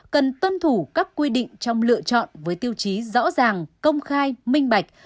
cần tuân thủ các quy định trong lựa chọn với tiêu chí rõ ràng công khai minh bạch